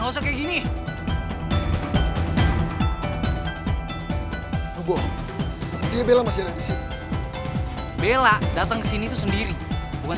waktu satu jam nieu messiah ngebunuh orang